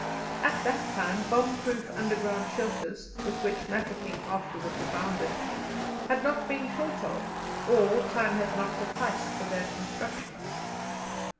At that time bomb proof underground shelters, with which Mafeking afterwards abounded, had not been thought of, or time had not sufficed for their construction.